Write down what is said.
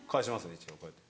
一応こうやって。